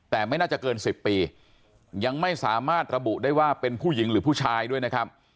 แต่ไม่น่าจะเกิน๑๐ปียังไม่สามารถระบุได้ว่าเป็นผู้หญิงหรือผู้ชายด้วยนะครับ